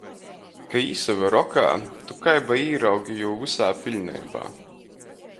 Ka īsaver okā, tu kai ba īraugi jū vysā piļneibā.